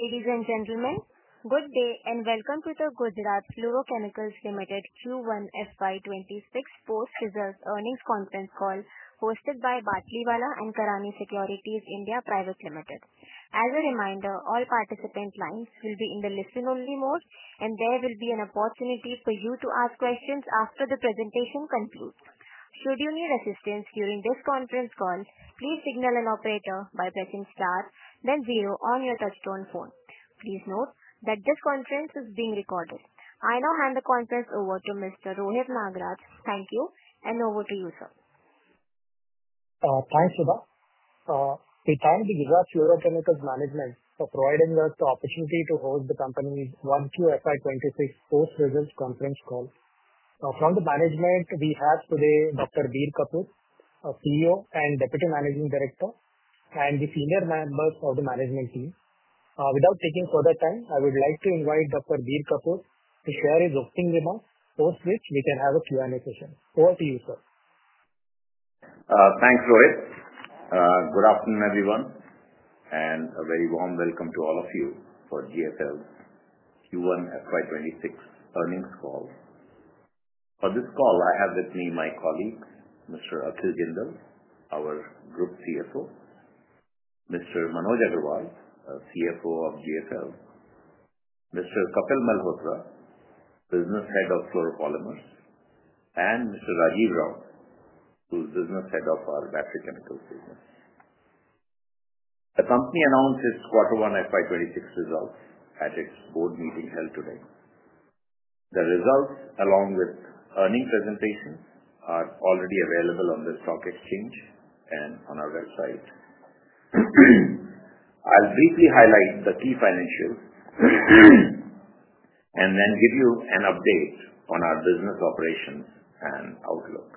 Ladies and gentlemen, good day and welcome to the Gujarat Fluorochemicals Limited Q1 FY 2026 Post-Result Earnings Conference Call Hosted by Batlivala & Karani Securities India Pvt Ltd As a reminder, all participant lines will be in the listen-only mode, and there will be an opportunity for you to ask questions after the presentation concludes. Should you need assistance during this conference call, please signal an operator by pressing star then zero on your touchtone phone. Please note that this conference is being recorded. I now hand the conference over to Mr. Rohit Nagraj. Thank you, and over to you, sir. Thanks, Subha. We thank the Gujarat Fluorochemicals Management for providing us the opportunity to host the company's Q1 FY 2026 Post-Result Earnings Conference call. From the management, we have today Dr. Bir Kapoor, CEO and Deputy Managing Director, and the senior members of the management team. Without taking further time, I would like to invite Dr. Bir Kapoor to share his opinion on post-result earnings conference. Over to you, sir. Thanks, Rohit. Good afternoon, everyone, and a very warm welcome to all of you for GFL's Q1 FY 2026 Earnings Call. For this call, I have with me my colleagues, [Mr. Atul Jindal], our Group CFO, Mr. Manoj Agrawal, CFO of GFL, Mr. Kapil Malhotra, Business Head of Fluoropolymers, and Mr. Rajiv Rao, who is Business Head of our Battery Chemicals. The company announced its Q1 FY 2026 results at its board meeting held today. The results, along with earnings presentations, are already available on the stock exchange and on our website. I'll briefly highlight the key financials and then give you an update on our business operations and outlook.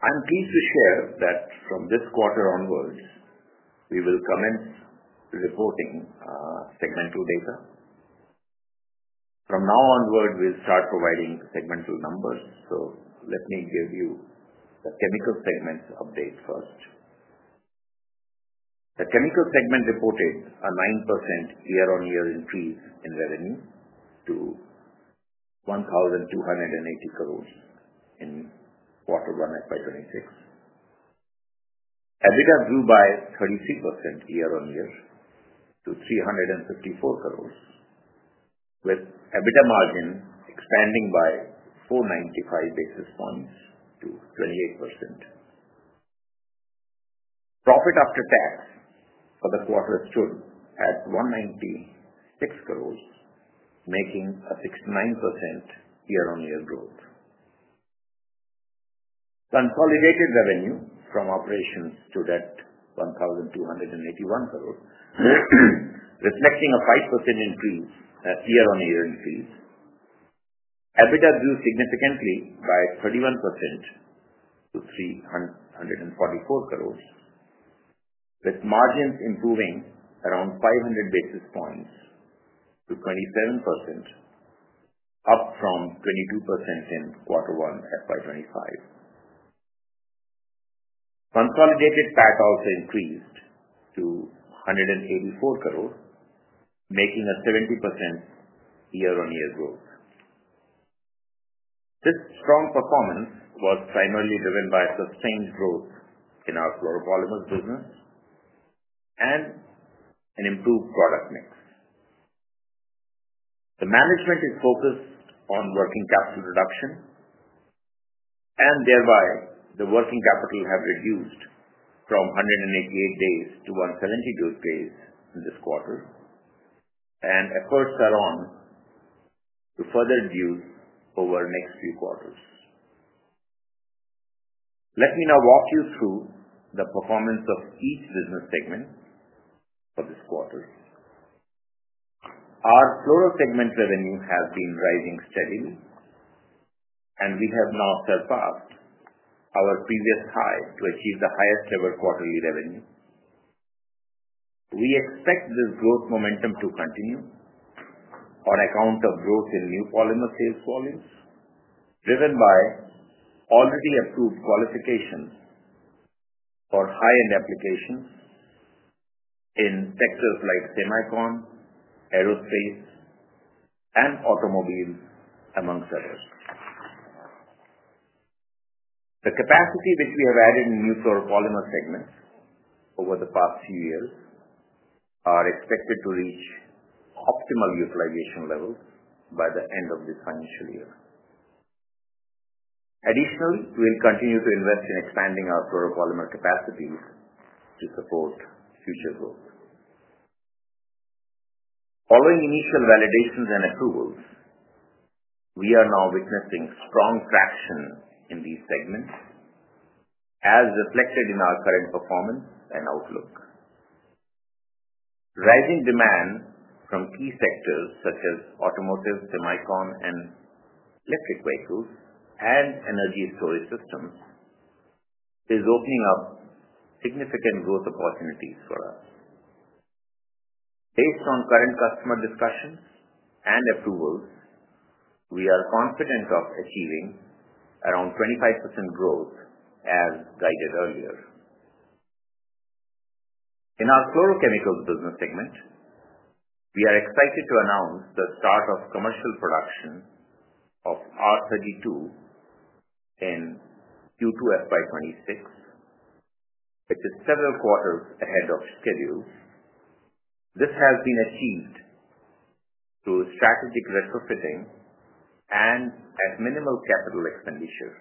I'm pleased to share that from this quarter onward, we will commence reporting segmental data. From now onward, we'll start providing segmental numbers. Let me give you the chemical segment's update first. The chemical segment reported a 9% year-on-year increase in revenue to 1,280 crore in Q1 FY 2026. EBITDA grew by 33% year-on-year to 354 crore, with EBITDA margin expanding by 495 basis points to 28%. Profit after tax for the quarter stood at 196 crore, marking a 69% year-on-year growth. Consolidated revenue from operations stood at 1,281 crore, reflecting a 5% year-on-year increase. EBITDA grew significantly by 31% to 344 crore, with margins improving around 500 basis points to 27%, up from 22% in Q1-FY 2025. Consolidated PAT also increased to 184 crore, marking a 70% year-on-year growth. This strong performance was primarily driven by sustained growth in our Fluoropolymer s business and an improved product mix. The management is focused on working capital reduction, and thereby, the working capital has reduced from 188 days to 172 days in this quarter, and efforts are on to further reduce over the next few quarters. Let me now walk you through the performance of each business segment for this quarter. Our fluoro segment revenue has been rising steadily, and we have now surpassed our previous high to achieve the highest ever quarterly revenue. We expect this growth momentum to continue on account of growth in new polymer sales volumes driven by already approved qualifications for high-end applications in sectors like semicon, aerospace, and automobiles, among others. The capacity which we have added in the new Fluoropolymer segment over the past few years is expected to reach optimal utilization levels by the end of this financial year. Additionally, we'll continue to invest in expanding our Fluoropolymer capacities to support future growth. Following initial validations and approvals, we are now witnessing strong traction in these segments as reflected in our current performance and outlook. Rising demand from key sectors such as automotive, semicon, and electric vehicles and energy storage systems is opening up significant growth opportunities for us. Based on current customer discussions and approvals, we are confident of achieving around 25% growth as guided earlier. In our fluorochemical business segment, we are excited to announce the start of commercial production of R32 in Q2 FY 2026, which is several quarters ahead of schedule. This has been achieved through strategic retrofitting and at minimal capital expenditure.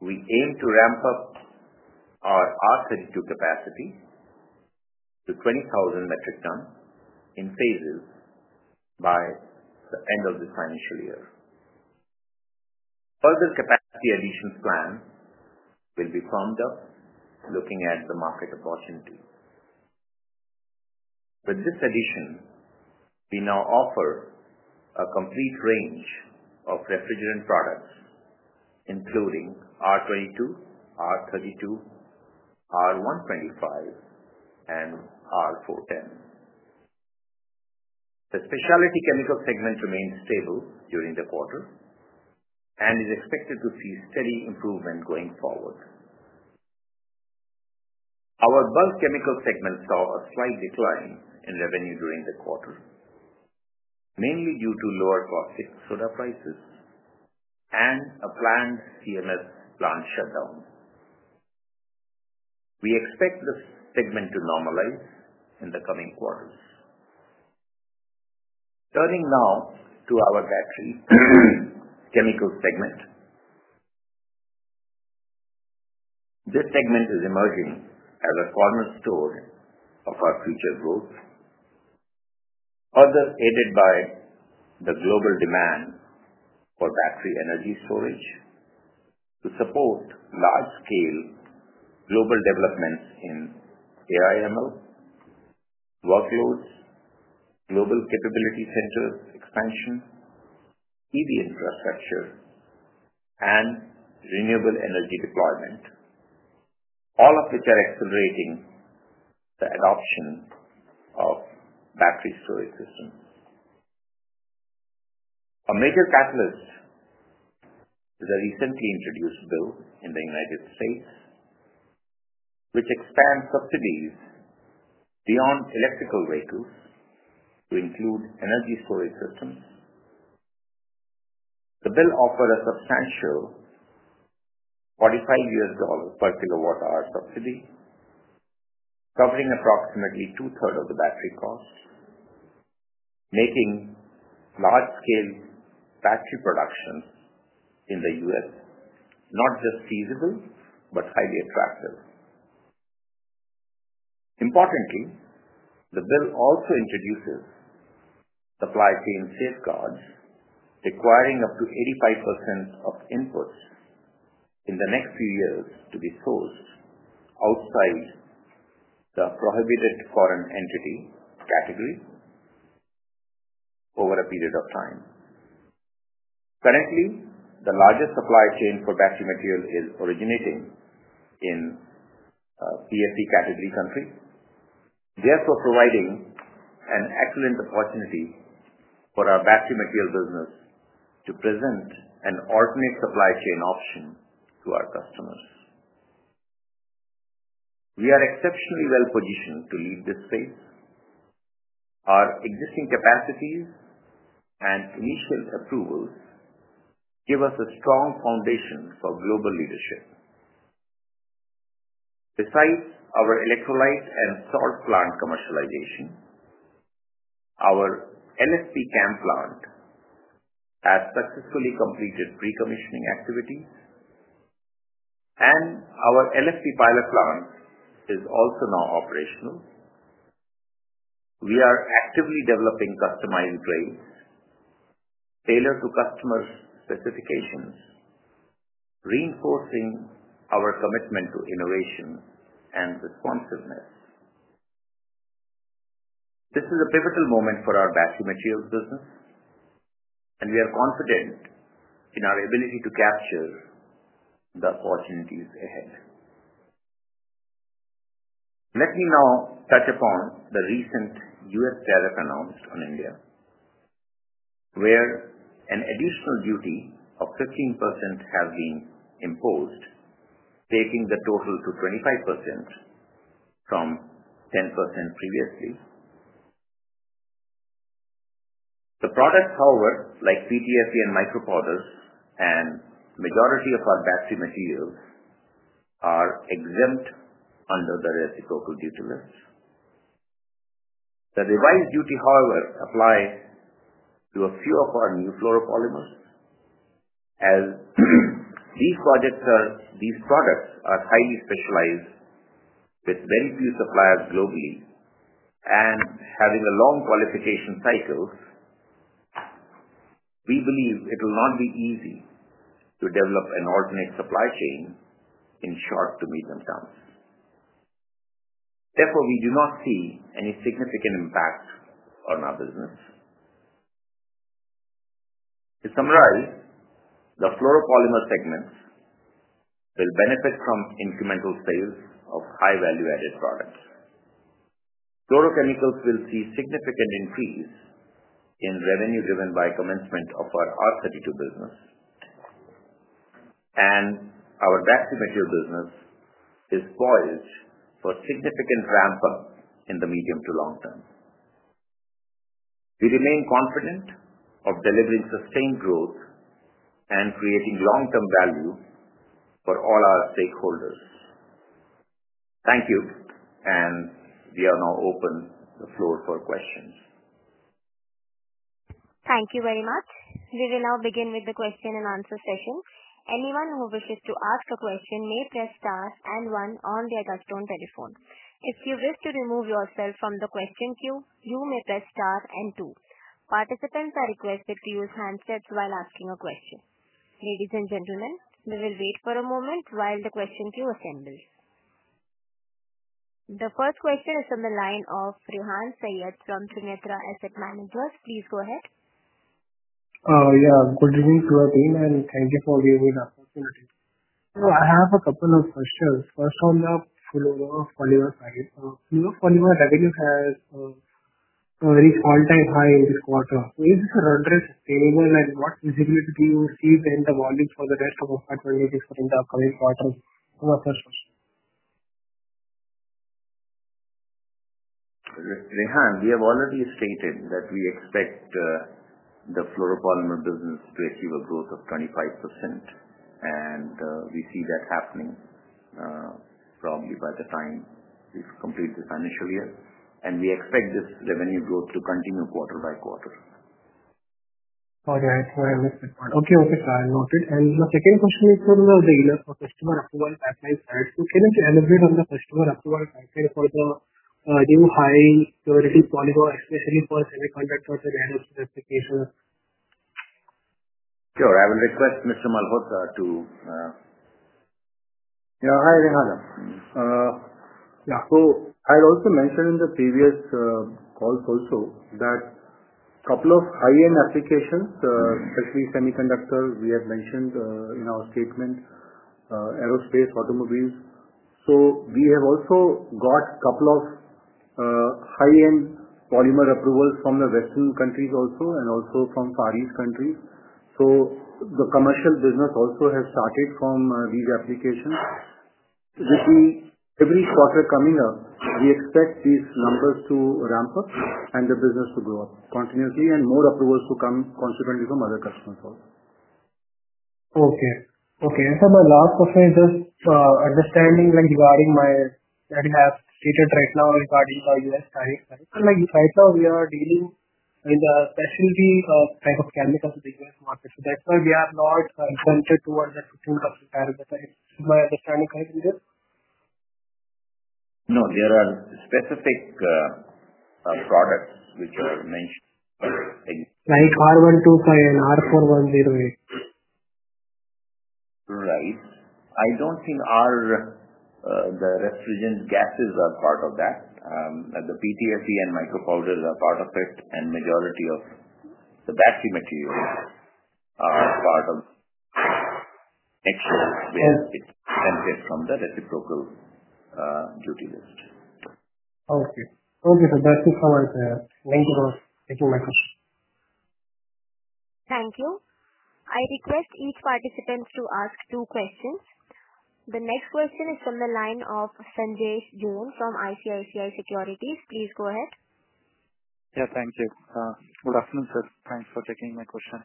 We aim to ramp up our R32 capacity to 20,000 metric tons in phases by the end of this financial year. Further capacity additions plan will be formed up, looking at the market opportunity. With this addition, we now offer a complete range of refrigerant products, including R22, R32, R125, and R410. The specialty chemical segment remains stable during the quarter and is expected to see steady improvement going forward. Our bulk chemical segment saw a slight decline in revenue during the quarter, mainly due to lower caustic soda prices and a planned CMS plant shutdown. We expect this segment to normalize in the coming quarters. Turning now to our battery chemical segment, this segment is emerging as a cornerstone of our future growth, further aided by the global demand for battery energy storage to support large-scale global developments in AI/ML workloads, global capability centers expansion, EV infrastructure, and renewable energy deployment, all of which are accelerating the adoption of battery storage systems. A major catalyst is a recently introduced bill in the U.S., which expands subsidies beyond electric vehicles to include energy storage systems. The bill offers a substantial $45 per kW hour subsidy, covering approximately two-thirds of the battery cost, making large-scale battery production in the U.S. not just feasible but highly attractive. Importantly, the bill also introduces supply chain safeguards requiring up to 85% of inputs in the next few years to be sourced outside the prohibited foreign entity category over a period of time. Currently, the largest supply chain for battery material is originating in PSE category countries, therefore providing an excellent opportunity for our battery material business to present an alternate supply chain option to our customers. We are exceptionally well-positioned to lead this phase. Our existing capacities and initial approvals give us a strong foundation for global leadership. Besides our electrolytes and salt plant commercialization, our LSC CAM plant has successfully completed pre-commissioning activities, and our LSC pilot plant is also now operational. We are actively developing customized drives tailored to customer specifications, reinforcing our commitment to innovation and responsiveness. This is a pivotal moment for our battery materials business, and we are confident in our ability to capture the opportunities ahead. Let me now touch upon the recent U.S. tariff announced on India, where an additional duty of 15% has been imposed, taking the total to 25% from 10% previously. The products, however, like PTFE and micropowder, and the majority of our battery materials, are exempt under the reciprocal duty list. The revised duty, however, applies to a few of our new Fluoropolymer s as these products are highly specialized with very few suppliers globally and having a long qualification cycle. We believe it will not be easy to develop an alternate supply chain in short to medium terms. Therefore, we do not see any significant impact on our business. To summarize, the Fluoropolymer segments will benefit from incremental sales of high value-added products. Fluorochemicals will see significant increase in revenue driven by commencement of our R32 business, and our battery material business is poised for a significant ramp-up in the medium to long term. We remain confident of delivering sustained growth and creating long-term value for all our stakeholders. Thank you, and we are now open to the floor for questions. Thank you very much. We will now begin with the question and answer session. Anyone who wishes to ask a question may press star and 1 on their touchtone telephone. If you wish to remove yourself from the question queue, you may press star and 2. Participants are requested to use handsets while asking a question. Ladies and gentlemen, we will wait for a moment while the question queue assembles. The first question is on the line of [Rohan Syed] from Sumatra Asset Managers. Please go ahead. Good evening, [Claudine], and thank you for giving me the opportunity. I have a couple of questions. First, on the Fluoropolymer revenue, it has already spiked high in this quarter. Is this a redress available, and what visibility do you see in the volumes for the rest of the quarter and the coming quarter? Rohan, we have already stated that we expect the Fluoropolymer business to achieve a growth of 25%, and we see that happening probably by the time we complete the financial year. We expect this revenue growth to continue quarter by quarter. Okay, got it. The second question is whether the customer approval pipeline has to finish integrate on the customer approval pipeline for the new high fluorinated polymer accessory for semiconductor certification. Sure. I will request Mr. Malhotra to. Yeah. Hi, Rohan. I had also mentioned in the previous calls that a couple of high-end applications, especially semiconductor, we have mentioned in our statement, aerospace, automobiles. We have also got a couple of high-end polymer approvals from the Western countries and also from Far East countries. The commercial business has started from these applications. With every software coming up, we expect these numbers to ramp up and the business to grow continuously and more approvals to come in consequently from other customers. Okay. Okay. My last question is just understanding regarding that you have stated right now regarding our U.S. client. We are dealing with a specialty type of chemicals in the U.S. market. Therefore, we are not concentrated towards the support of the target client. Is my understanding right in this? No, there are specific products which are nice. Like R125 and R410. Right. I don't think the refrigerant gases are part of that. The PTFE and micropowders are part of it, and the majority of the battery material are part of mixtures which come from the reciprocal duty list. Okay. Okay. That's it for my time. Thank you for taking my question. Thank you. I request each participant to ask two questions. The next question is on the line of [Sanjay Joon] from ICICI Securities. Please go ahead. Yeah. Thank you. Good afternoon, sir. Thanks for taking my question.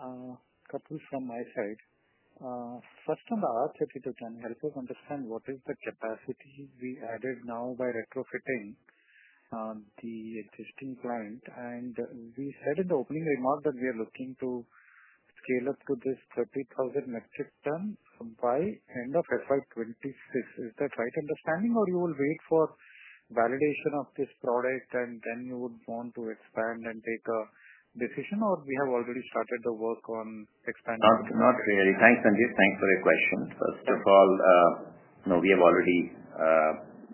A couple from my side. First, on the R32, I'm helping to understand what is the capacity we added now by retrofitting the existing plant. We said in the opening remark that we are looking to scale up to this 30,000 metric tons by end of FY 2026. Is that right understanding, or you will wait for validation of this product and then you would want to expand and take a decision, or we have already started the work on expanding? Not really. Thanks, Sanjay. Thanks for your question. First of all, no, we have already,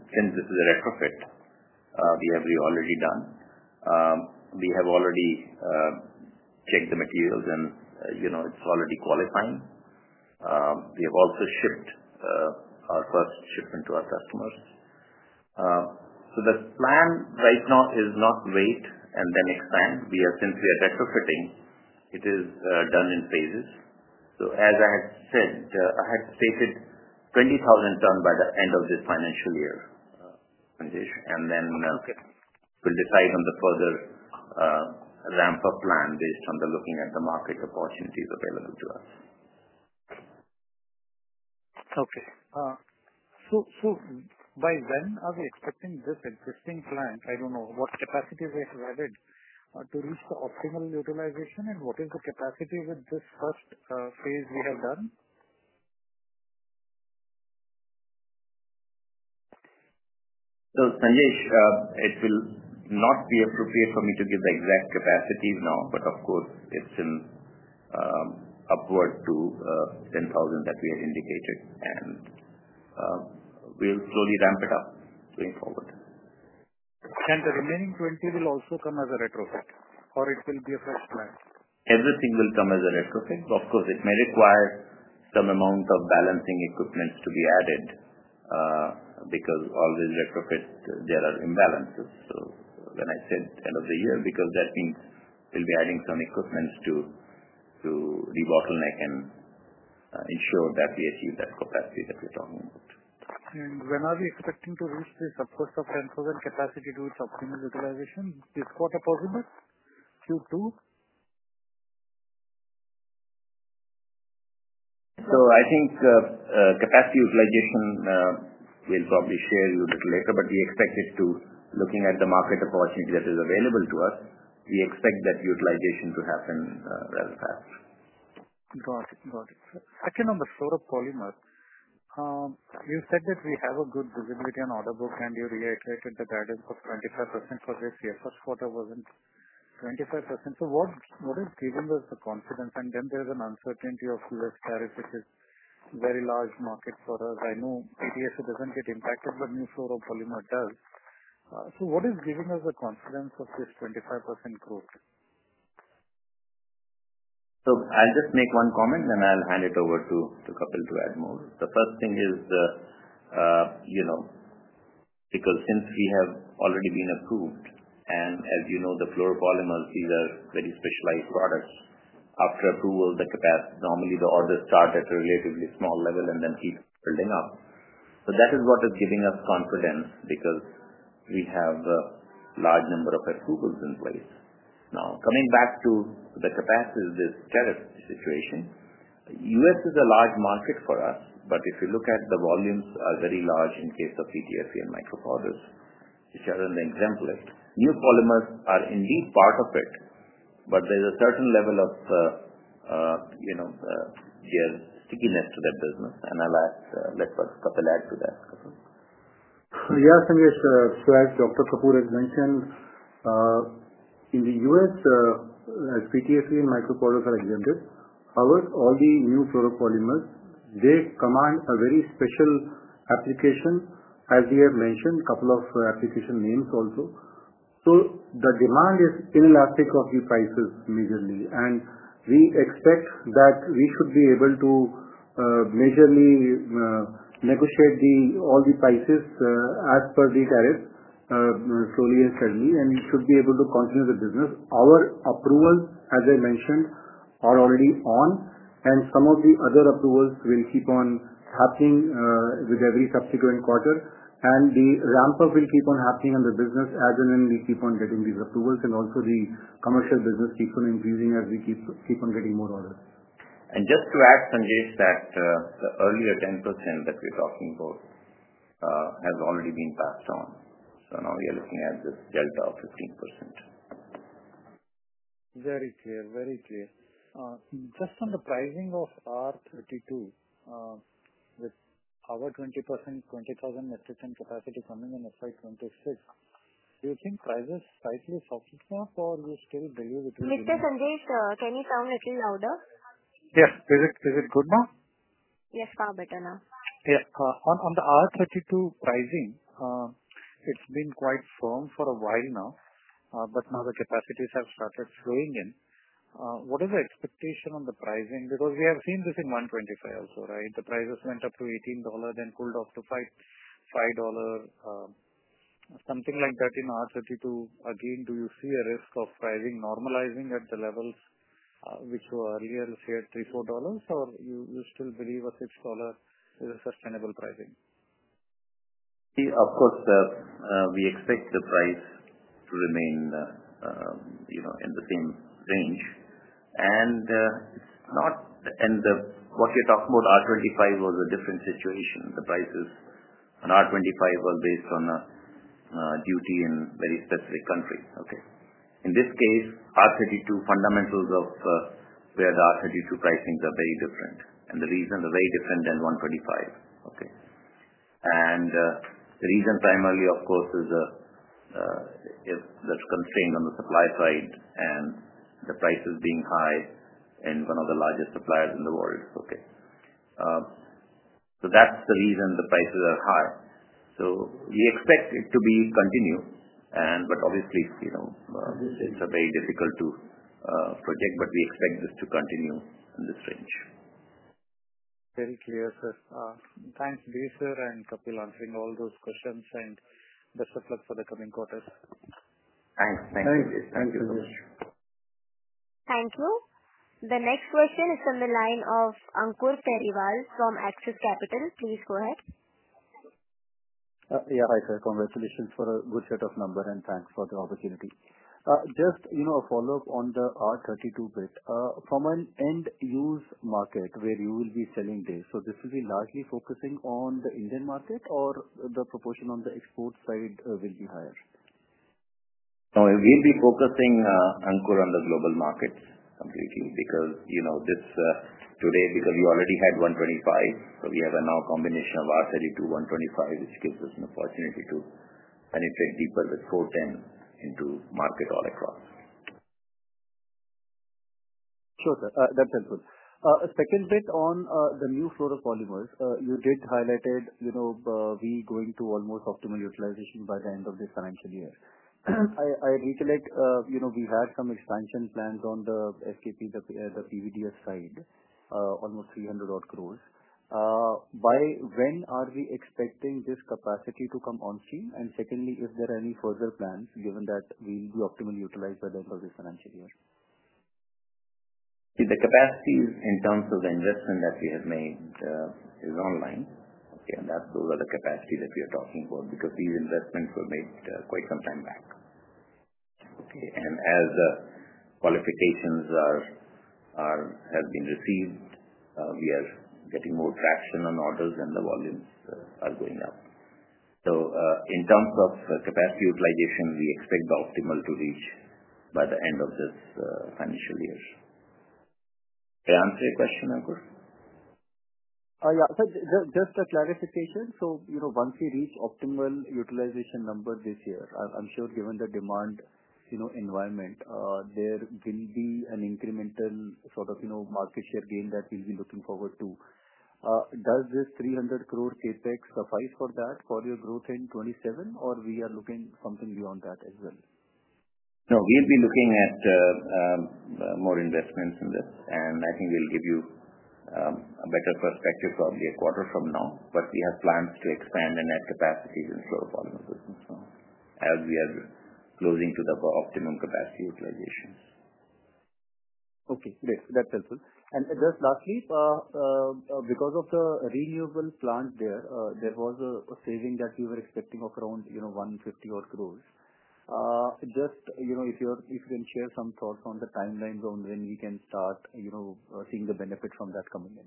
since this is a retrofit, we have already done, we have already checked the materials, and, you know, it's already qualifying. We have also shipped our first shipment to our customers. The plan right now is not wait and then expand. Since we are retrofitting, it is done in phases. As I said, I had stated 20,000 tons by the end of this financial year, Sanjay, and then we'll decide on the further ramp-up plan based on looking at the market opportunities available to us. Okay, by when are we expecting this existing plant? I don't know what capacity we have added to reach the optimal utilization, and what is the capacity with this first phase we have done? It will not be appropriate for me to give the exact capacity now, but of course, it's in upward to 10,000 that we have indicated, and we'll slowly ramp it up going forward. Can the remaining 20 will also come as a retrofit, or it will be a first plant? Everything will come as a retrofit. Of course, it may require some amount of balancing equipment to be added, because always with retrofits, there are imbalances. When I said end of the year, that means we'll be adding some equipment to rebottleneck and ensure that we achieve that capacity that we're talking about. When are we expecting to reach this? Of course, the first of 10,000 capacity to reach optimal utilization. Is this quarter possible? Q2? I think capacity utilization, we'll probably share with you a little later, but we expect it to, looking at the market opportunity that is available to us, we expect that utilization to happen fast. Got it. Got it. Actually, on the Fluoropolymer s, you said that we have a good visibility on order book, and you reiterated that that is up 25% for this year. First quarter wasn't 25%. What is giving us the confidence? There's an uncertainty of the rest of Paris, which is a very large market for us. I know PTFE doesn't get impacted, but Fluoropolymer does. What is giving us the confidence of this 25% growth? I'll just make one comment, and then I'll hand it over to Kapil to add more. The first thing is, you know, since we have already been approved, and as you know, the Fluoropolymer s, these are very specialized products. After approval, the capacity, normally the orders start at a relatively small level and then keep building up. That is what is giving us confidence because we have a large number of approvals in place. Now, coming back to the capacity, this tariff situation, the U.S. is a large market for us, but if you look at the volumes, they are very large in case of PTFE and micropowders, which are on the exempt list. New polymers are indeed part of it, but there's a certain level of, you know, their stickiness to their business. I'll let Kapil add to that. Yes, as Dr. Kapoor has mentioned, in the U.S., as PTFE and micropowders are exempted, however, all the new Fluoropolymer s, they command a very special application, as we have mentioned, a couple of application names also. The demand is inelastic of the prices majorly, and we expect that we should be able to, majorly, negotiate all the prices, as per the tariffs, slowly and steadily, and we should be able to continue the business. Our approvals, as I mentioned, are already on, and some of the other approvals will keep on happening, with every subsequent quarter. The ramp-up will keep on happening in the business as and when we keep on getting these approvals and also the commercial business keeps on increasing as we keep on getting more orders. Just to add, Sanjay, the earlier 10% that we're talking about has already been passed on. Now we are looking at this delta of 15%. Very clear. In just on the pricing of R32, with our 20,000 metric tons capacity coming in FY 2026, do you think prices slightly softened up, or do you still believe it will? Mr. Sanjay, can you sound a little louder? Yes, is it good now? Yes, far better now. Yeah. On the R32 pricing, it's been quite firm for a while now, but now the capacities have started slowing in. What is the expectation on the pricing? Because we have seen this in R125 also, right? The prices went up to $18 and cooled off to $5, something like that in R32. Again, do you see a risk of pricing normalizing at the levels, which were earlier shared, $3 or $4, or you still believe it's a sustainable pricing? Yeah, of course, we expect the price to remain, you know, in the same range. We're not in what we're talking about, R125 was a different situation. The prices on R125 were based on duty in very specific countries. In this case, R32 fundamentals of where the R32 pricings are very different. The reason they're very different than 125, the reason primarily, of course, is if there's constraint on the supply side and the prices being high in one of the largest suppliers in the world. That's the reason the prices are high. We expect it to continue, but obviously, you know, it's very difficult to project, but we expect this to continue in this range. Very clear, sir. Thank you, sir, and Kapil, answering all those questions. Best of luck for the coming quarters. Thanks. Thanks. Thank you. Thank you. The next question is on the line of Ankur Periwal from Axis Capital. Please go ahead. Yeah, right. Congratulations for a good shot of number, and thanks for the opportunity. Just, you know, a follow-up on the R32 bit. From an end-use market where you will be selling this, will this be largely focusing on the Indian market, or the proportion on the export side will be higher? No, we'll be focusing, Ankur, on the global markets completely because, you know, this today, because you already had R125, but we have a now combination of R32, R125, which gives us an opportunity to penetrate deeper with R410 into market all across. Sure. That's helpful. A second bit on the new Fluoropolymer s. You did highlight, you know, we going to almost optimal utilization by the end of this financial year. I recollect, you know, we had some expansion plans on the STP, the PVDF side, almost 300 crore. By when are we expecting this capacity to come on scene? If there are any further plans, given that we will be optimally utilized by the first financial year? See, the capacity is in terms of the investment that we have made, is online. Okay. That's over the capacity that we are talking about because these investments were made quite some time back. Okay. As the qualifications have been received, we are getting more traction on orders and the volumes are going up. In terms of capacity utilization, we expect the optimal to reach by the end of this financial year. Did I answer your question, Ankur? Yeah, just to clarification, once we reach optimal utilization number this year, I'm sure given the demand environment, there will be an incremental sort of market share gain that we'll be looking forward to. Does this 300 crore CapEx suffice for that, for your growth in 2027, or are we looking at something beyond that as well? No, we'll be looking at more investments in this. I think we'll give you a better perspective probably a quarter from now. We have plans to expand and add capacity in the Fluoropolymer business as we are closing to the optimum capacity utilizations. Okay. Great. That's helpful. Just lastly, because of the renewable plant there, there was a saving that we were expecting of around 150 crore. If you can share some thoughts on the timelines on when we can start seeing the benefits from that coming in.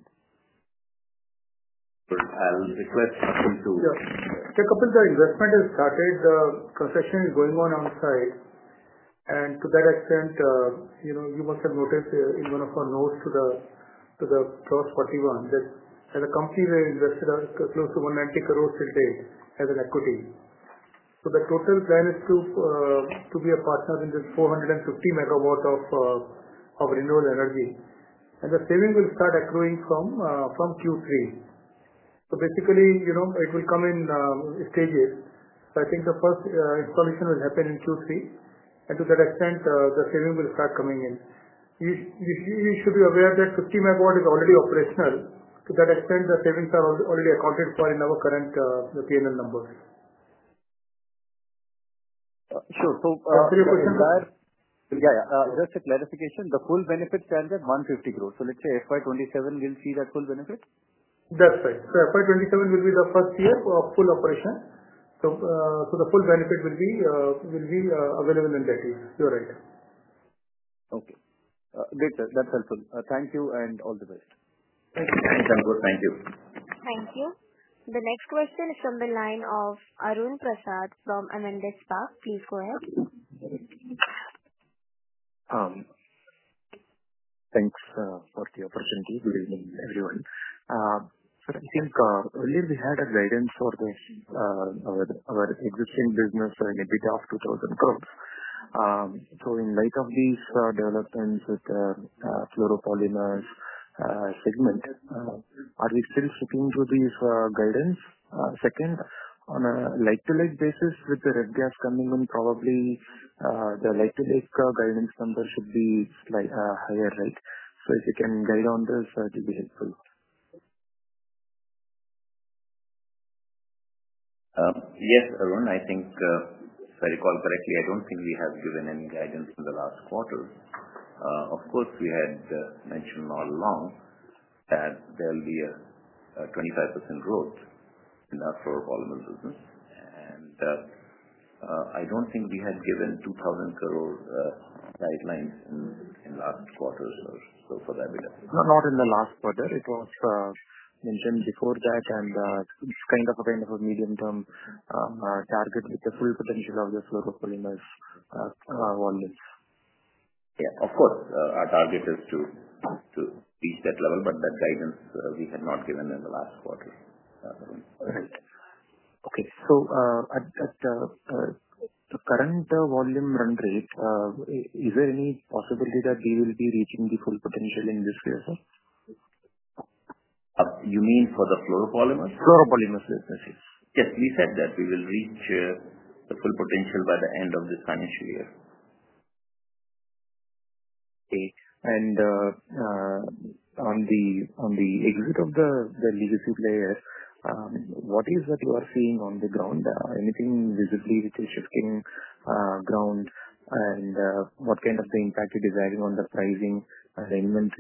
Sure, I will request please to. Sure. Kapil, the investment has started. The concession is going on onsite. You must have noticed in one of our notes to the cross 41, that as a company, we invested close to 190 crore till date as an equity. The total plan is to be a partner in this 450 MW of renewable energy, and the saving will start accruing from Q3. Basically, it will come in stages. I think the first installation will happen in Q3. To that extent, the saving will start coming in. You should be aware that 50 MW is already operational. To that extent, the savings are already accounted for in our current P&L numbers. Sure. So. I'm sorry if I could inquire. Yeah, yeah. Just a clarification. The full benefit stands at 150 crore. Let's say FY 2027, we'll see that full benefit? That's right. FY 2027 will be the first year of full operation, so the full benefit will be available in that year. You're right. Okay. Great. That's helpful. Thank you and all the best. Thanks, Ankur. Thank you. Thank you. The next question is from the line of [Arun Prasad from Amansa Staff]. Please go ahead. Thanks for the opportunity to read in. I think earlier we had a guidance for our existing business in the BJA of 2012. In light of these developments with the Fluoropolymer segment, are we still fitting for this guidance? On a like-to-like basis with the red gas coming in, probably the like-to-disc guidance numbers would be higher, right? If you can guide on this, that would be helpful. Yes, Arun. I think, if I recall correctly, I don't think we have given any guidance in the last quarter. Of course, we had mentioned all along that there'll be a 25% growth in that Fluoropolymer business. I don't think we have given 2,000-crore guidelines in the last quarter or so for that. Not in the last quarter. It was mentioned before that it's kind of a medium-term target with the full potential of the Fluoropolymer volumes. Of course, our target is to reach that level, but that guidance we had not given in the last quarter. Right. Okay. At the current volume run rate, is there any possibility that we will be reaching the full potential in this quarter? You mean for the Fluoropolymer? Fluoropolymer. Yes, we said that we will reach the full potential by the end of this financial year. Okay. On the exit of the legacy players, what is it you are seeing on the ground? Anything visibly which is shifting ground, and what kind of impact are you desiring on the pricing arrangements?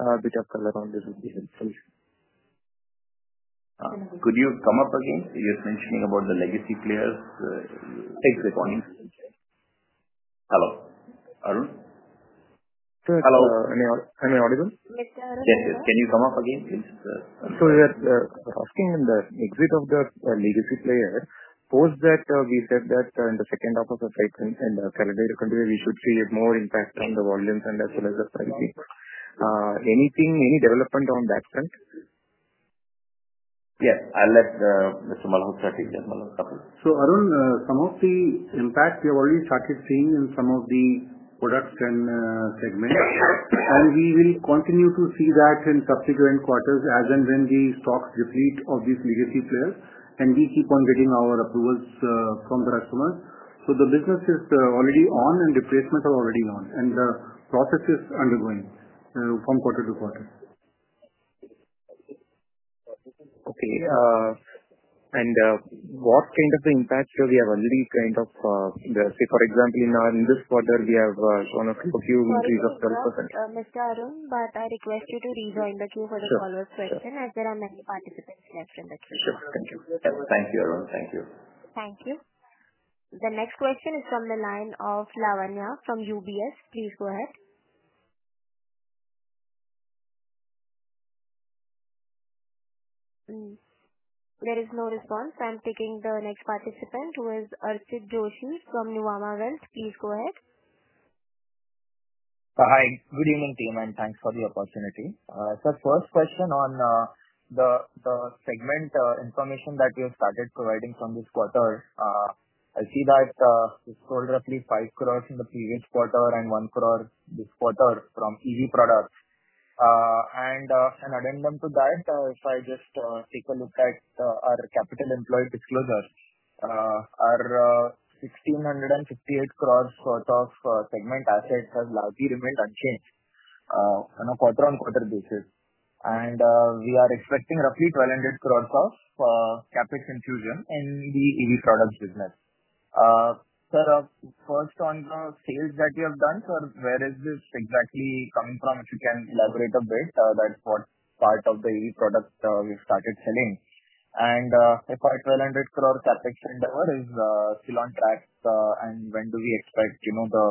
A bit of color on this would be helpful. Could you come up again? You're mentioning the legacy players. Exit one. Hello. Arun? Hello, are you audible? Yes. Can you come up again, please? We are asking in the exit of the legacy player, post that we said that in the second half of the cycle in the calendar year, we should see a more impact on the volumes and as well as the pricing. Anything, any development on that front? Yes, unless Mr. Malhotra takes that. Some of the impact we have already started seeing in some of the products and segments, and we will continue to see that in subsequent quarters as and when the stock depletes of these legacy players. We keep on getting our approvals from the customers. The business is already on and the placements are already on, and the process is undergoing from quarter to quarter. Okay. What kind of impacts do we have already, for example, in this quarter, in terms of a few of you? Mr. Arun, I request you to rejoin the queue for the follow-up question as there are many participants left in the queue. Thank you, Arun. Thank you. Thank you. The next question is from the line of Lavanya from UBS. Please go ahead. There is no response. I'm taking the next participant who is Archit Joshi from Nuvama Wealth. Please go ahead. Hi. Good evening, team, and thanks for the opportunity. It's the first question on the segment information that we have started providing from this quarter. I see that it's called roughly 5 crore in the previous quarter and 1 crore this quarter from EV products. An addendum to that, if I just take a look at our capital employed disclosure, our 1,658 crore worth of segment assets have largely remained unchanged on a quarter-on-quarter basis. We are expecting roughly 1,200 crore of CapEx infusion in the EV products business. Sir, first on the sales that we have done, sir, where is this exactly coming from? If you can elaborate a bit, that's what part of the EV product we've started selling. If our 1,200 crore CapEx endeavor is still on track, when do we expect the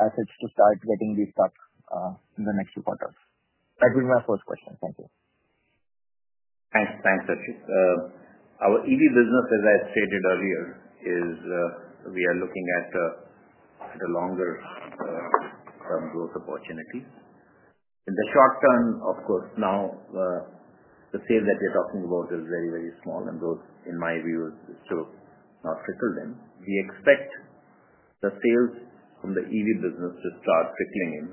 assets to start getting these stocks in the next two quarters? That will be my first question. Thank you. Thanks. Thanks, Archit. Our EV business, as I stated earlier, is we are looking at longer-term growth opportunities. In the short term, of course, now the sales that we're talking about are very, very small, and growth, in my view, is still not fickle then. We expect the sales from the EV business to start trickling in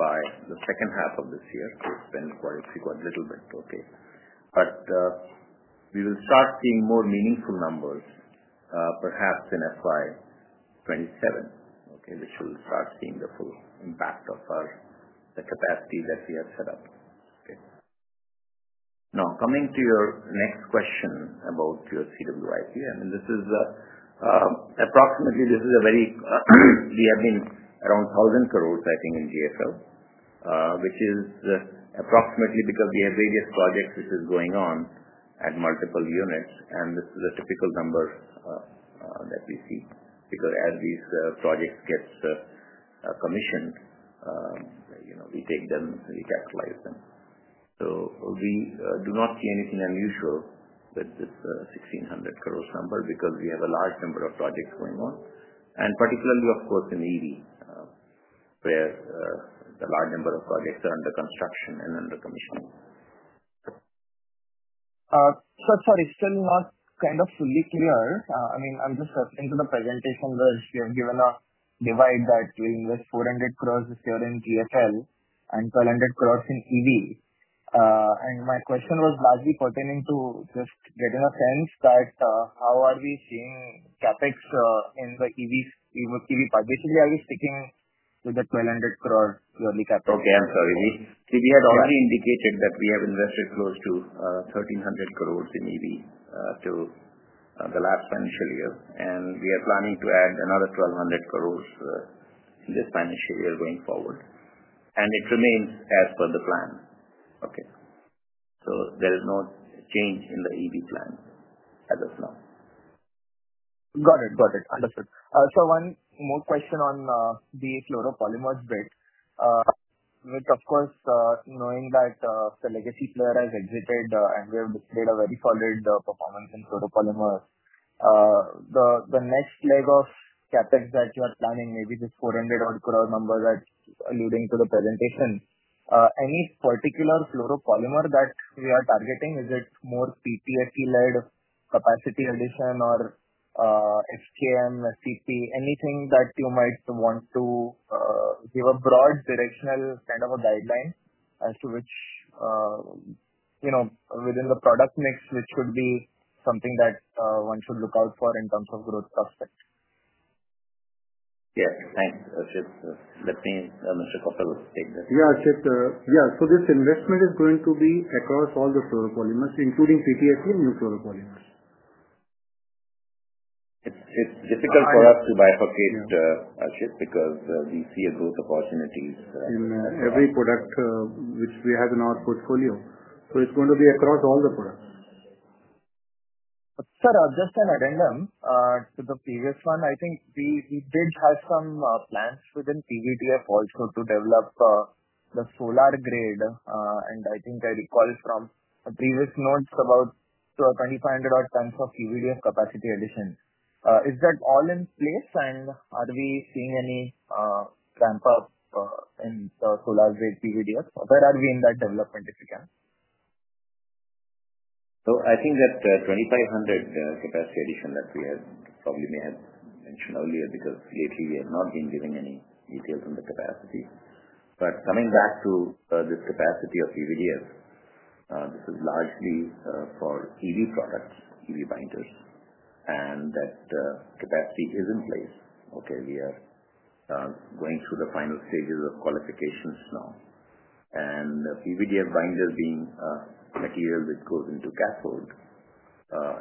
by the second half of this year, when the quarter is quite a little bit. Okay. We will start seeing more meaningful numbers, perhaps in FY 2027, okay? Which we will start seeing the full impact of the capacity that we have set up. Okay. Now, coming to your next question about your CWI here, I mean, this is, approximately, this is a very, we have been around 1,000 crore, I think, in GFL, which is approximately because we have various projects which are going on at multiple units. This is a typical number that we see because as these projects get commissioned, you know, we take them, so we capitalize them. We do not see anything unusual with this 1,600 crore number because we have a large number of projects going on, particularly, of course, in EV, where a large number of projects are under construction and under commissioning. Sir, sorry, still not kind of fully clear. I'm just into the presentation where you've given a divide that we invest 400 crore this year in GFL and 1,200 crore in EV. My question was largely pertaining to just getting a sense that, how are we seeing CapEx in the EV part? Basically, are we sticking with the 1,200 crore yearly capital? I'm sorry. We have already indicated that we have invested close to 1,300 crore in EV till the last financial year. We are planning to add another 1,200 crore in this financial year going forward. It remains as per the plan. There is no change in the EV plan as of now. Got it. Understood. One more question on the Fluoropolymer bridge. With, of course, knowing that the legacy player has exited and we have created a very solid performance in Fluoropolymer, the next leg of CapEx that you are planning, maybe this 400 crore number that's alluding to the presentation, any particular Fluoropolymer that we are targeting? Is it more PTFE-led capacity addition or SKM, SCP? Anything that you might want to give a broad directional kind of a guideline as to which, you know, within the product mix, which would be something that one should look out for in terms of growth prospects? Yeah. Thanks, Archit. Let me, Mr. Kapil, take that. Yeah, Arshid. Yeah. This investment is going to be across all the Fluoropolymer s, including PTFE and new Fluoropolymer s. It's difficult for us to buy, Arshid, because we see a growth opportunity. In every product which we have in our portfolio, it's going to be across all the products. Sir, just an addendum to the previous one. I think we did have some plans within PVDF also to develop the solar grade. I think I recall from the previous notes about 2,500-odd tons of PVDF capacity addition. Is that all in place, and are we seeing any ramp-up in the solar grade PVDF? Where are we in that development, if you can? I think that the 2,500 capacity addition that we had probably may have mentioned earlier because lately we have not been giving any details on the capacity. Coming back to this capacity of PVDF, this is largely for EV products, EV binders, and that capacity is in place. We are going through the final stages of qualifications now, and the PVDF binder being a material that goes into cathode,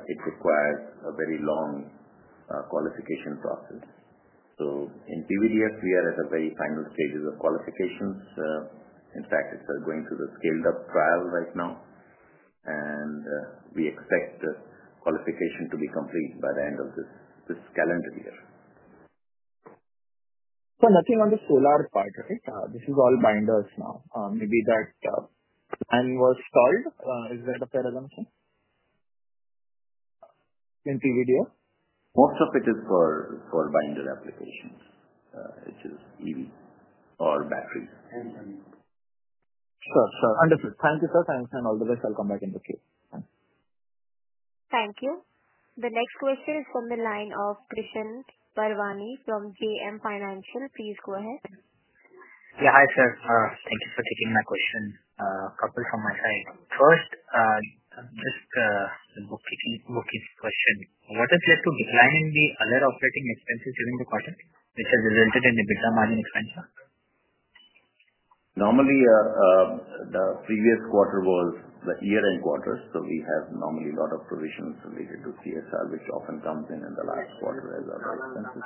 it requires a very long qualification process. In PVDF, we are at the very final stages of qualifications. In fact, we're going through the scaled-up trial right now, and we expect the qualification to be complete by the end of this calendar year. Nothing on the solar part, right? This is all binders now. Maybe that's the paradigm in PVDF? Most of it is for binder applications, which is EV or batteries. Sure. Understood. Thank you, sir. Thanks. All the best. I'll come back and look here. Thank you. The next question is from the line of Krishan Parwani from JM Financial. Please go ahead. Yeah. Hi, sir. Thank you for taking my question. A couple from my side. First, I'm just looking at [Rohan's] question. What is left to decline in the other operating expenses during the quarter, which has resulted in the EBITDA margin expense? Normally, the previous quarter was the quarter. We have normally a lot of provisions related to CSR, which often comes in in the last quarter as our balance.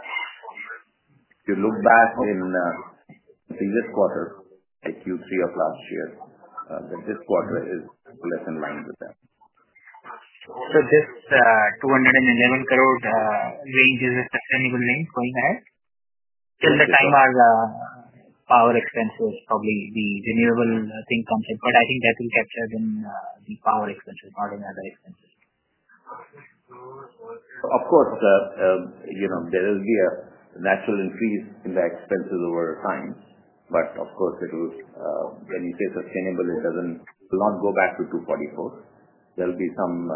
If you look back in the previous quarter, you'll see a plot here that this quarter is less in line with that. Is this 211 crore range a sustainable range going ahead? Till the time our power expenses, probably the renewable thing comes in. I think that will capture the power expenses more than other expenses. Of course, you know, there will be a natural increase in the expenses over time. Of course, when you say sustainable, it does not go back to 244. There will be some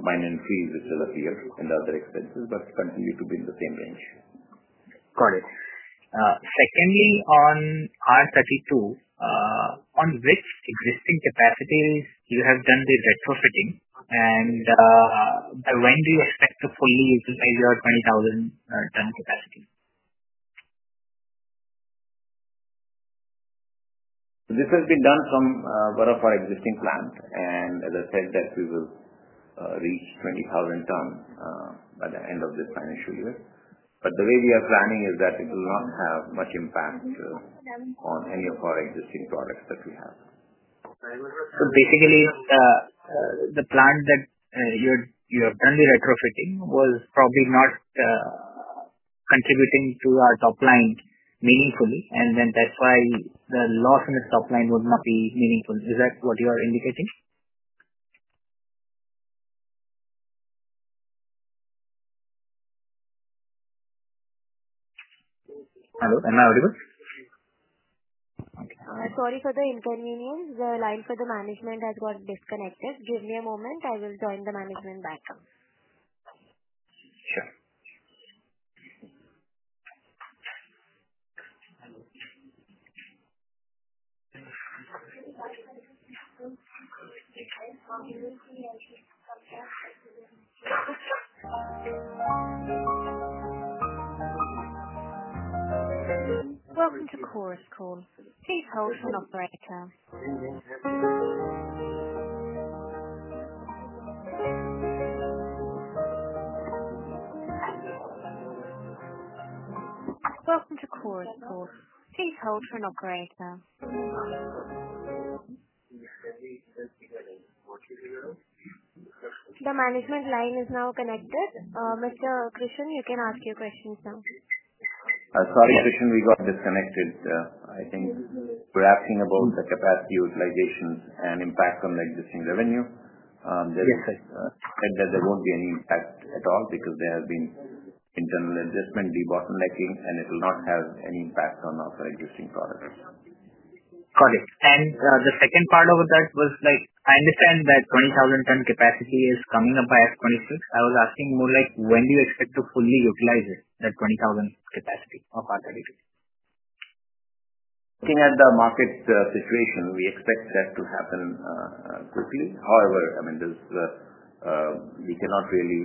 minor increases which will appear in the other expenses, but continue to be in the same range. Got it. Secondly, on R32, on which existing capacities you have done the retrofitting, and when do you expect to fully deliver 20,000 ton capacity? This has been done from one of our existing plants. As I said, we will reach 20,000 tons by the end of this financial year. The way we are planning is that it will not have much impact on any of our existing products that we have. Basically, the plan that you have done the retrofitting was probably not contributing to our top line meaningfully, and that's why the loss in the top line would not be meaningful. Is that what you are indicating? Hello, am I audible? Sorry for the inconvenience. The line for the management has got disconnected. Give me a moment. I will join the management back. [Welcome to Gujarat Fluorochemicals. Please hold for an operator. Welcome to Gujarat Fluorochemicals. Please hold for an operator.] The management line is now connected. Mr. Krishan, you can ask your questions now. Our product addition, we got disconnected. I think we're asking about the capacity utilizations and impact on the existing revenue. They said that there won't be any impact at all because there have been internal adjustment, rebottlenecking, and it will not have any impact on our existing products. Got it. The second part of that was like, I understand that 20,000-ton capacity is coming up by FY 2026. I was asking more like when do you expect to fully utilize it, that 20,000 capacity of R32? Looking at the market situation, we expect that to happen quickly. However, we cannot really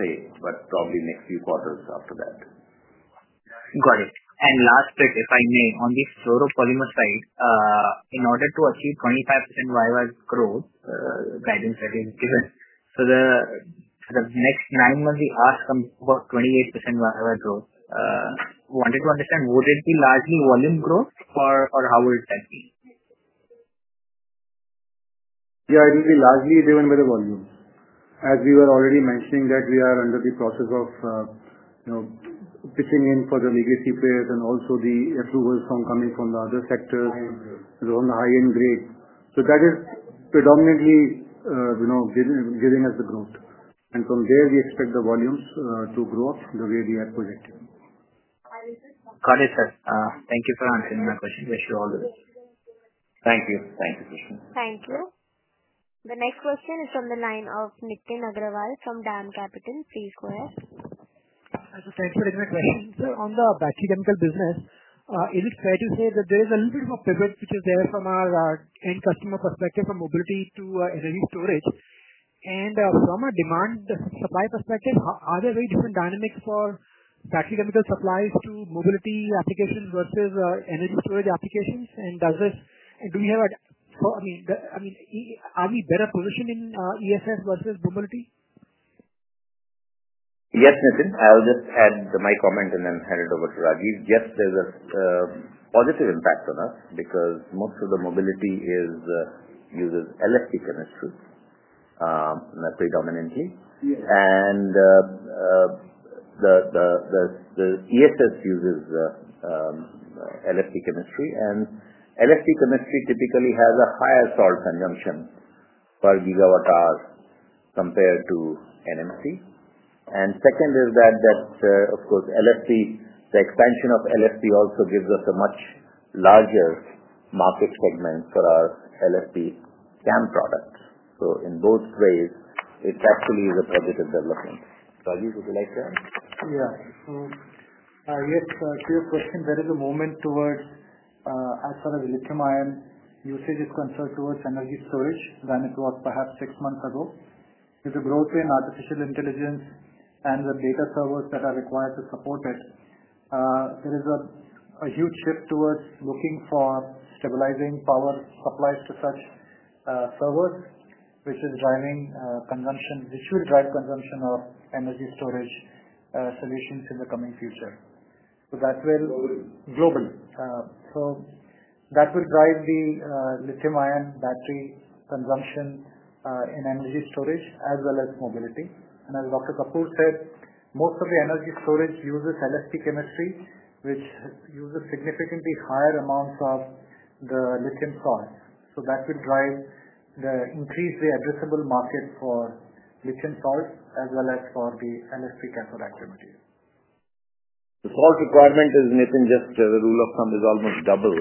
say, but probably next few quarters after that. Got it. Lastly, if I may, on the Fluoropolymer side, in order to achieve 25% year-over-year growth, guidance that is given, the sort of next minimum we asked about 28% year-over-year growth. Wanted to understand, would it be largely volume growth or how will it be? Yeah, it will be largely driven by the volume. As we were already mentioning, we are under the process of pitching in for the legacy players and also the approvals coming from the other sectors. They are on the high-end grade. That is predominantly giving us the growth, and from there, we expect the volumes to grow up the way we had predicted. Got it, sir. Thank you for answering my question. Wish you all the best. Thank you. Thank you, Krishan. Thank you. The next question is from the line of Nitin Agarwal from DAM Capital. Please go ahead. Thank you. Sir, on the battery chemical business, it is fair to say that there is a little bit of a pivot which is there from our end customer perspective from mobility to energy storage. From a demand supply perspective, are there very different dynamics for battery chemical supplies to mobility applications versus energy storage applications? Do we have a, I mean, are we better positioned in ESS versus mobility? Yes, Nitin. I'll just add my comment and then hand it over to Rajiv. Yes, there is a positive impact on us because most of the mobility uses LFP chemistry predominantly. The ESS uses LFP chemistry. LFP chemistry typically has a higher salt consumption per gigawatt-hour compared to NMC. The expansion of LFP also gives us a much larger market segment for our LFP CAM product. In both ways, it's actually a positive development. Rajiv, would you like to add? Yes, to your question, there is a movement towards, as far as lithium-ion usage is concerned, towards energy storage than it was perhaps six months ago. Due to growth in artificial intelligence and the data servers that are required to support it, there is a huge shift towards looking for stabilizing power supplies to such servers, which is driving consumption. This will drive consumption of energy storage solutions in the coming future. Jobin. That will drive the lithium-ion battery consumption in energy storage as well as mobility. As Dr. Bir Kapoor said, most of the energy storage uses LFP chemistry, which uses significantly higher amounts of the lithium salts. That will drive the increase in the addressable markets for lithium salts as well as for the LFP cathode activity. The salt requirement is nothing, just the rule of thumb is almost double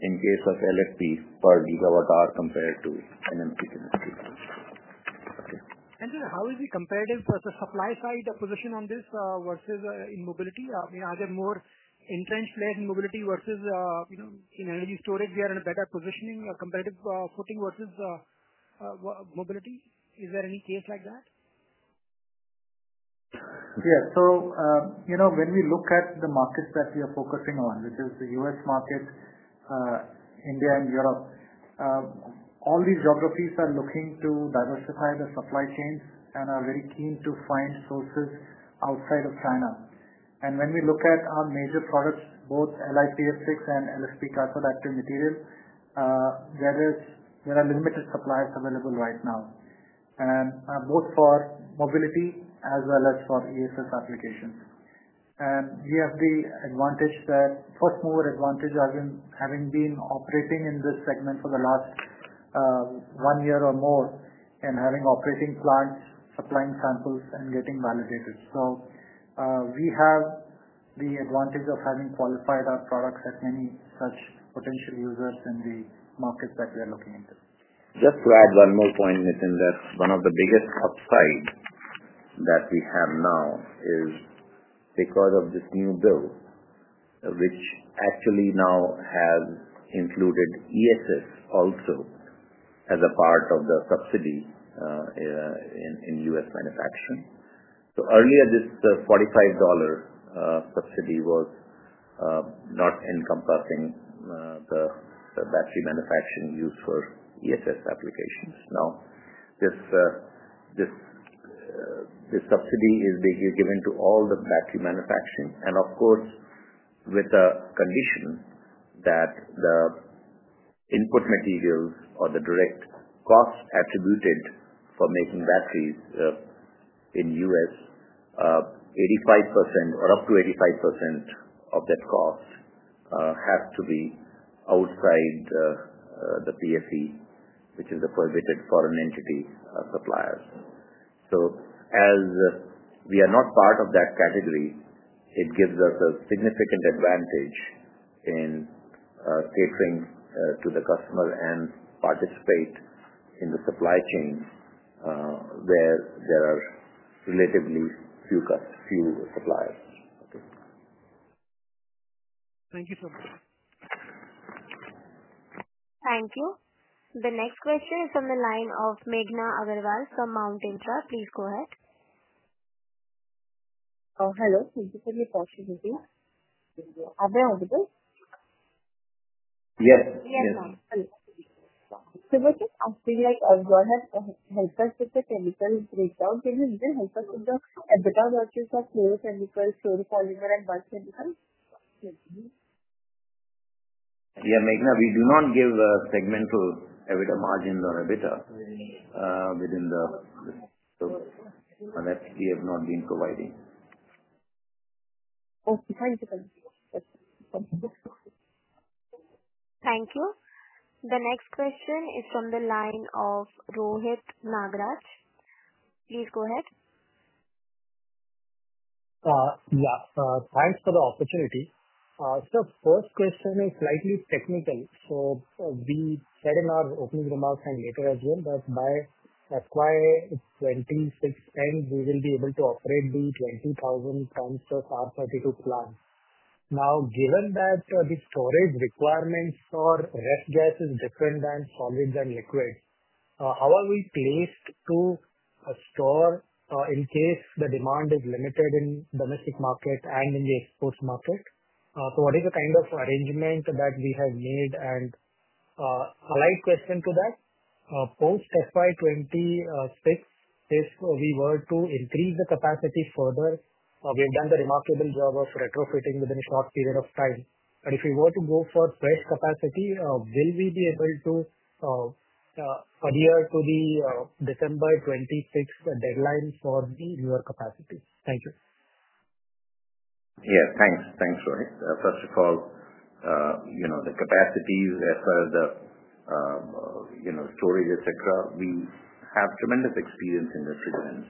in case of LFPs per gigawatt-hour compared to NMC chemistry. How is it comparative for the supply side position on this versus in mobility? I mean, are there more entrenched players in mobility versus in energy storage? We are in a better positioning or comparative footing versus mobility. Is there any case like that? Yeah. When we look at the markets that we are focusing on, which is the U.S. market, India, and Europe, all these geographies are looking to diversify the supply chains and are very keen to find sources outside of China. When we look at our major products, both LiPF6 and LFP cathode active material, there are limited supplies available right now, both for mobility as well as for ESS applications. We have the advantage, that first-mover advantage, as in having been operating in this segment for the last one year or more and having operating plants, supplying samples, and getting validated. We have the advantage of having qualified our products at many such potential users in the markets that we are looking into. Just to add one more point, Nitin, that one of the biggest upsides that we have now is because of this new bill, which actually now has included energy storage systems also as a part of the subsidy in U.S. manufacturing. Earlier, this $45 subsidy was not encompassing the battery manufacturing used for energy storage systems applications. Now, this subsidy is basically given to all the battery manufacturing, with the condition that the input materials or the direct costs attributed for making batteries in the U.S., 85% or up to 85% of that cost has to be outside the PSE, which is the prohibited foreign entity suppliers. As we are not part of that category, it gives us a significant advantage in catering to the customer and participate in the supply chain where there are relatively few suppliers. Thank you so much. Thank you. The next question is from the line of Meghna Agarwal from Mount Intra. Please go ahead. Hello, this is [Posh India]. Are we audible? Yes. Yes. We're just asking, like, [Rohan], help us with the chemical breakdown. Can you help us with the EBITDA versus the CMS, Fluoropolymer s, and bulk chemicals? Yeah, Meghna, we do not give segmental EBITDA margins or EBITDA within the stocks, and that we have not been providing. Oh, thank you. Thank you. The next question is from the line of Rohit Nagraj. Please go ahead. Yeah. Thanks for the opportunity. The first question is slightly technical. We said in our opening remarks and later as well, that by FY 2026 end, we will be able to operate the 20,000 tons of R32 plant. Now, given that the storage requirements for ref gas are different than solids and liquids, how are we placed to store in case the demand is limited in the domestic market and in the export market? What is the kind of arrangement that we have made? A light question to that. Post FY 2026, if we were to increase the capacity further, we have done the remarkable job of retrofitting within a short period of time. If we were to go for fresh capacity, will we be able to adhere to the December 2026 deadline for the newer capacity? Thank you. Yeah. Thanks. Thanks, Rohit. First of all, you know the capacity as far as the storage, etc., we have tremendous experience in distributors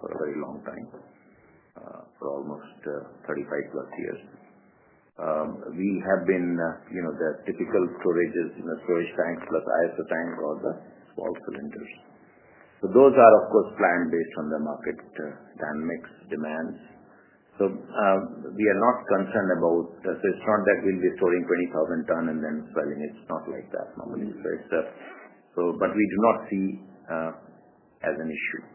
for a very long time, for almost 35-plus years. We have been, you know, the typical storage is in the storage tanks, the ISO tanks, or the small cylinders. Those are, of course, planned based on the market dynamics, demands. We are not concerned about, say, front that we'll be storing 20,000 tons and then cutting. It's not like that normally, right? We do not see as an issue.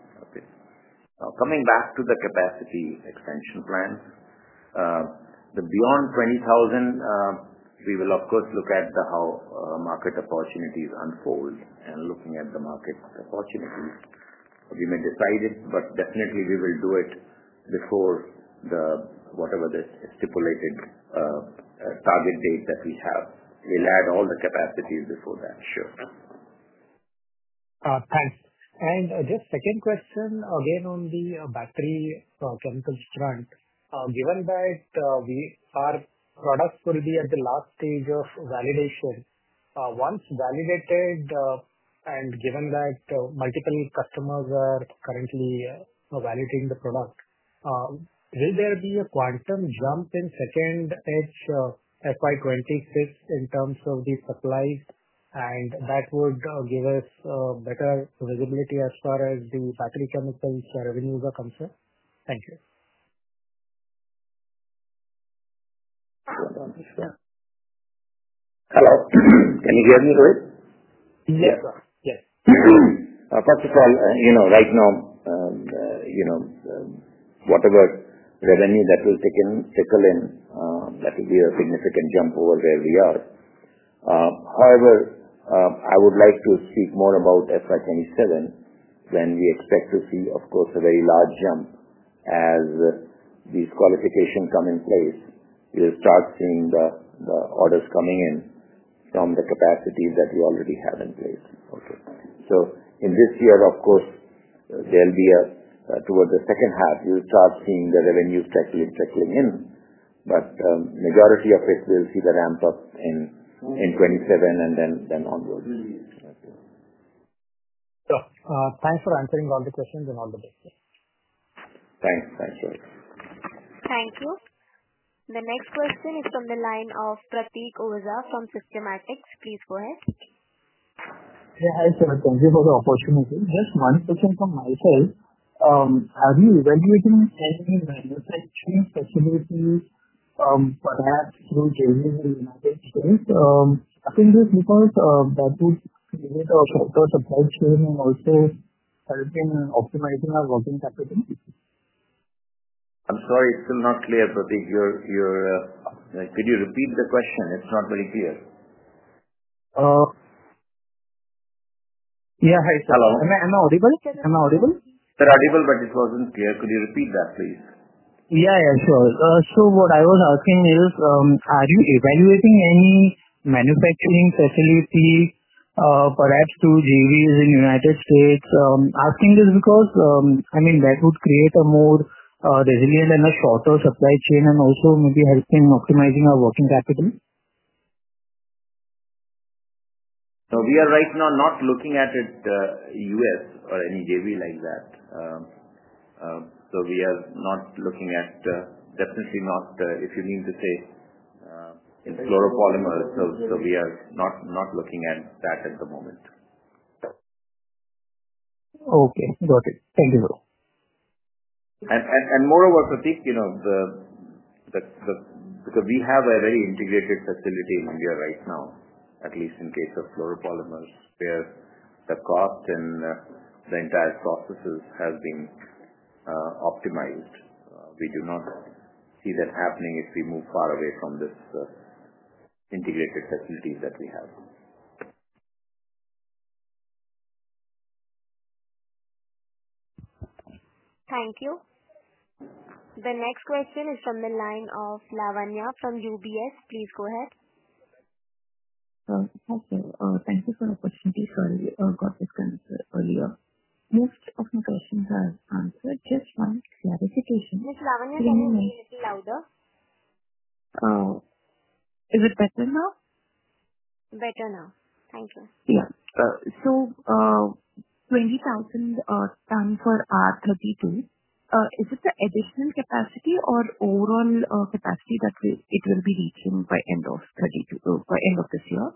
Now, coming back to the capacity expansion plans, beyond 20,000, we will, of course, look at how market opportunities unfold. Looking at the market opportunities, we may decide, but definitely, we will do it before whatever the stipulated target date that we have. We'll add all the capacities before that. Sure. Thanks. Just second question, again, on the battery chemicals front. Given that our products will be at the last stage of validation, once validated and given that multiple customers are currently validating the product, will there be a quantum jump in FY 2026 in terms of the supplies? That would give us a better visibility as far as the battery chemicals revenues are concerned. Thank you. Can you hear me, Rohit? Yes, sir. Yes. First of all, you know right now, whatever revenue that we'll take in, that will be a significant jump over where we are. However, I would like to speak more about FY 2027, when we expect to see, of course, a very large jump as these qualifications come in place. We'll start seeing the orders coming in from the capacity that we already have in place. In this year, of course, towards the second half, we'll start seeing the revenue starting to trickle in. The majority of it, we'll see the ramp-up in 2027 and then onwards. Thanks for answering all the questions and all the best. Thanks. Thanks, Rohit. Thank you. The next question is from the line of Pratik Oza from Systematix. Please go ahead. Yeah. Hi, sir. Thank you for the opportunity. Just one question from myself. Are we evaluating all these value-type things specifically perhaps through JV and LTH? Can this look at what we've created, a quarter support team also helping optimizing our working capital? I'm sorry. It's still not clear, Pratik. Could you repeat the question? It's not very clear. Hi, Sara. Am I audible? Sir, audible, but it wasn't clear. Could you repeat that, please? Yeah, sure. What I was asking is, are we evaluating any manufacturing facilities, perhaps two JVs in the U.S.? I think it's because that would create a more resilient and a shorter supply chain and also maybe help in optimizing our working capital. We are right now not looking at it, the U.S. or any JV like that. We are not looking at, definitely not, if you need to say, in Fluoropolymer. We are not looking at that at the moment. Okay. Got it. Thank you, sir. Moreover, Pratik, because we have a very integrated facility in India right now, at least in case of Fluoropolymer, where the cost and the entire processes have been optimized, we do not see that happening if we move far away from this integrated facility that we have. Thank you. The next question is from the line of Lavanya from UBS. Please go ahead. Thank you. Thank you for the questions, sir. Your questions earlier, most of my questions are answered. Just one. Yes, please. Ms. Lavanya, can you make it louder? Is it better now? Better now. Thank you. Yeah. So 20,000 tons for R32. Is this the additional capacity or overall capacity that it will be reaching by the end of this year?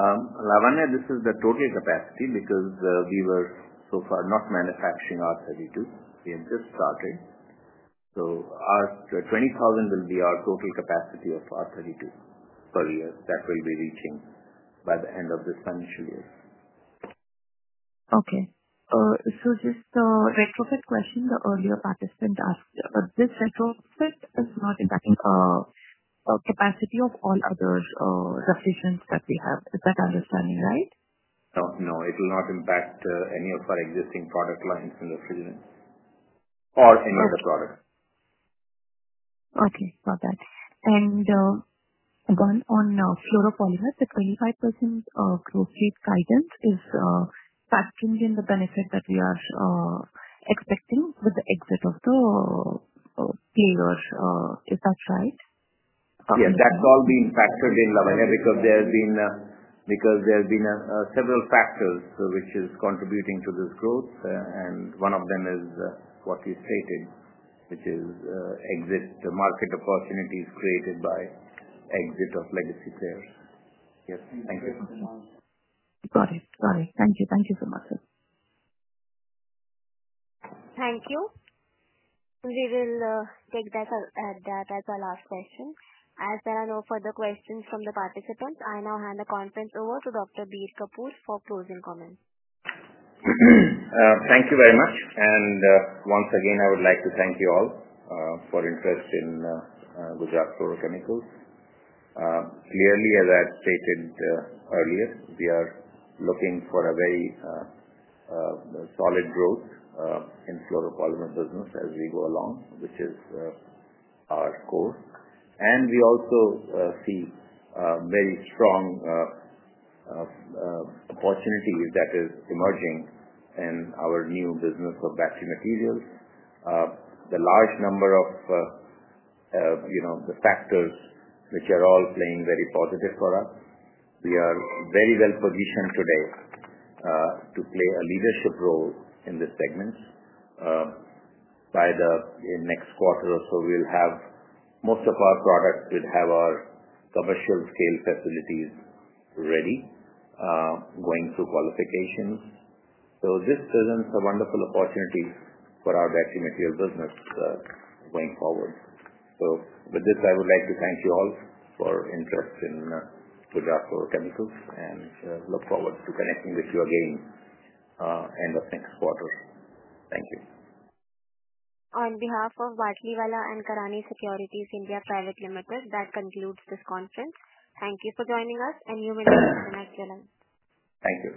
Lavanya, this is the total capacity because we were so far not manufacturing R32. We are just starting. Our 20,000 will be our total capacity of R32 per year. That will be reaching by the end of this financial year. Okay. Just a retrofit question. The earlier participant asked, this retrofit is not impacting the capacity of all other refrigerants that we have. Is that understanding right? No, no. It will not impact any of our existing product lines in refrigerants or any other product. Okay. Got that. On Fluoropolymer, the 25% growth rate guidance is factoring in the benefit that we are expecting with the exit of the player. Is that right? Yeah. That's all being factored in, Lavanya, because there have been several factors which are contributing to this growth. One of them is what we stated, which is exit market opportunities created by exit of legacy players. Yes. Thank you. Okay. Got it. Sorry. Thank you. Thank you so much. Thank you. We will take that out as our last question. As there are no further questions from the participants, I now hand the conference over to Dr. Bir Kapoor for closing comments. Thank you very much. Once again, I would like to thank you all for interest in Gujarat Fluorochemicals. Clearly, as I stated earlier, we are looking for a very solid growth in the Fluoropolymer business as we go along, which is our core. We also see a very strong opportunity that is emerging in our new business of battery materials. The large number of the factors which are all playing very positive for us. We are very well positioned today to play a leadership role in this segment. By the next quarter or so, we'll have most of our product would have our commercial scale facilities ready, going through qualifications. This presents a wonderful opportunity for our battery material business going forward. With this, I would like to thank you all for interest in Gujarat Fluorochemicals and look forward to connecting with you again in the next quarter. Thank you. On behalf of Batlivala & Karani Securities India Pvt Ltd, that concludes this conference. Thank you for joining us, and you may take the next one. Thank you.